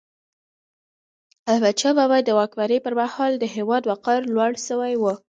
احمدشاه بابا د واکمني پر مهال د هیواد وقار لوړ سوی و.